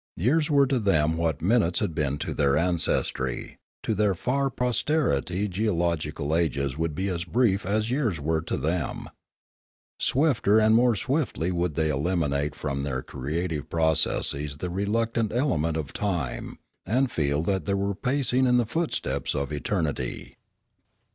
Years were to them what minutes had been to their ancestry; to their far posterity geo logical ages would be as brief as years were to them. Swifter and more swiftly would they eliminate from their creative processes the reluctant element of time, and feel that they were pacing in the footsteps of eternity.